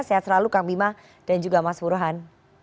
sehat selalu kang bima dan juga mas burhan